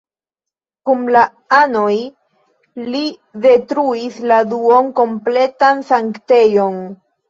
Kun la anoj, li detruis la duon-kompletan sanktejon.